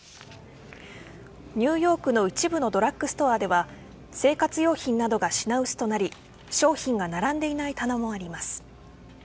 ニューヨークの一部のドラッグストアでは生活用品などが品薄となり商品が並んでいない棚もあります。